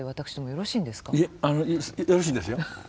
よろしいんですよ。